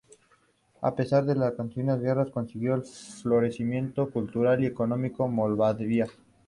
A pesar de las continuas guerras, consiguió el florecimiento cultural y económico de Moldavia.